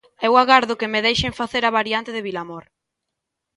Eu agardo que me deixen facer a variante de Vilamor.